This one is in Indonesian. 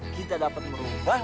tidak ada harapan